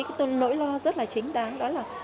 tôi thấy nỗi lo rất là chính đáng